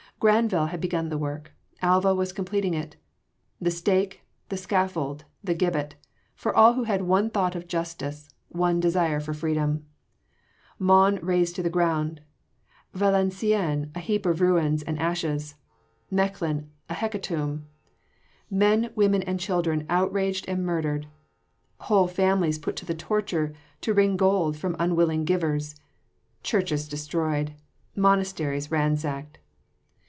Granvelle had begun the work, Alva was completing it! The stake, the scaffold, the gibbet for all who had one thought of justice, one desire for freedom. Mons razed to the ground, Valenciennes a heap of ruins and ashes, Mechlin a hecatomb. Men, women and children outraged and murdered! Whole families put to the torture to wring gold from unwilling givers! churches destroyed! monasteries ransacked!